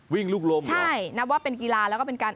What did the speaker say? วิ่งลุกลมเหรอใช่นับว่าเป็นกีฬาและก็เป็นการ